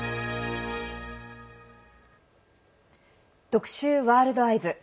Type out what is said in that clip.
特集「ワールドＥＹＥＳ」。